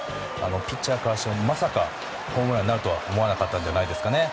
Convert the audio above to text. ピッチャーからしてもまさかホームランになるとは思わなかったんじゃないですかね。